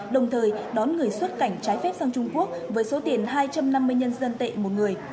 đồng thời đón người xuất cảnh trái phép sang trung quốc với số tiền hai trăm năm mươi nhân dân tệ một người